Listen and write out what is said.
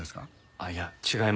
あっいや違います。